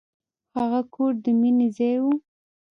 هغه کور د مینې ځای و.